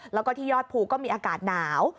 แล้วก็ที่ยอดภูก็มีอากาศหนาว